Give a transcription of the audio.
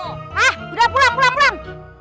hah udah pulang pulang pulang